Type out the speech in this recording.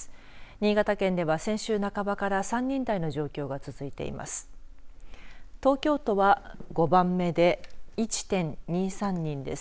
新潟県では先週半ばから３人台の状況が続いています。